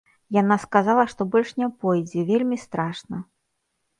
Яна сказала, што больш не пойдзе, вельмі страшна.